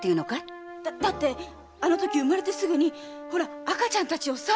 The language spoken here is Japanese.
だってあのとき産まれてすぐほら赤ちゃんたちをさ。